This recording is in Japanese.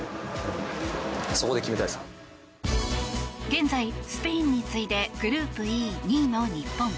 現在、スペインに次いでグループＥ、２位の日本。